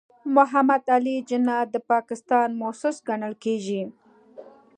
محمد علي جناح د پاکستان مؤسس ګڼل کېږي.